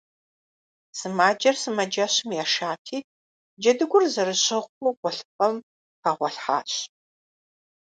Сымаджэр сымаджэщым яшати, джэдыгур зэрыщыгъыу гъуэлъыпӏэм хэгъуэлъхьащ.